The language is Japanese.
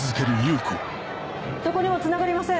どこにもつながりません！